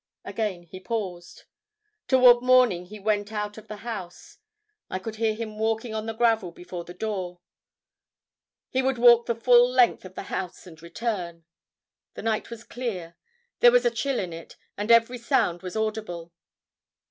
Again he paused. "Toward morning he went out of the house. I could hear him walking on the gravel before the door. He would walk the full length of the house and return. The night was clear; there was a chill in it, and every sound was audible.